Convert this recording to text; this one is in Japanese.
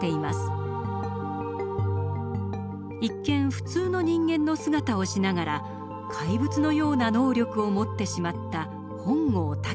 一見普通の人間の姿をしながら怪物のような能力を持ってしまった本郷猛。